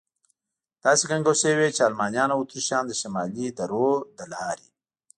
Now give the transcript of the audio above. داسې ګنګوسې وې، چې المانیان او اتریشیان د شمالي درو له لارې.